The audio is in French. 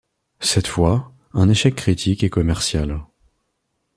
Cette fois, un échec critique et commercial.